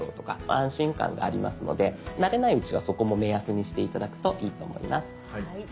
安心感がありますので慣れないうちはそこも目安にして頂くといいと思います。